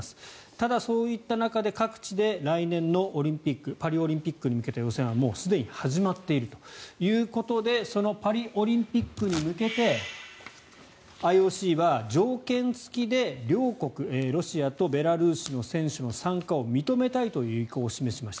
ただ、そういった中で各地で来年のパリオリンピックに向けた予選はもうすでに始まっているということでそのパリオリンピックに向けてＩＯＣは条件付きで両国、ロシアとベラルーシの選手の参加を認めたいという意向を示しました。